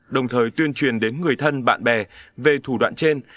đồng thời tuyên truyền đến người thân bạn bè về thủ đoạn trên